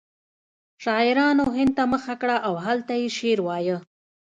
شاعرانو هند ته مخه کړه او هلته یې شعر وایه